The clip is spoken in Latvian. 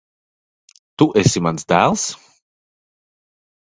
Tu esi mans dēls?